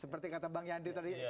seperti kata bang yandri tadi